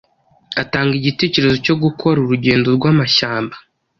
atanga igitekerezo cyo gukora urugendo rwamashyamba